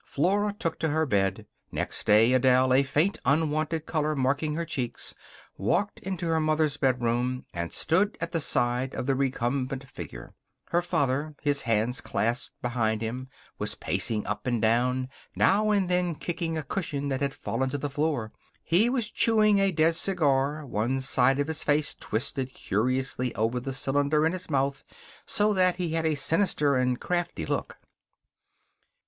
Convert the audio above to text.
Flora took to her bed. Next day Adele, a faint, unwonted color marking her cheeks, walked into her mother's bedroom and stood at the side of the recumbent figure. Her father, his hands clasped behind him, was pacing up and down, now and then kicking a cushion that had fallen to the floor. He was chewing a dead cigar, one side of his face twisted curiously over the cylinder in his mouth so that he had a sinister and crafty look.